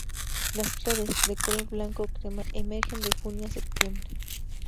Las flores, de color blanco o crema, emergen de junio a septiembre.